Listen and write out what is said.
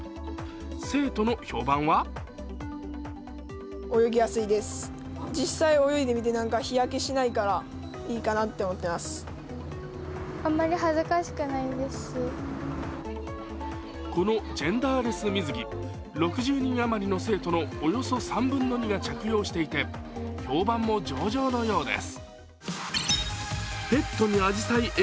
生徒の評判はこのジェンダーレス水着、６０人あまりの生徒のおよそ３分の２が着用していて、評判も上々のようです。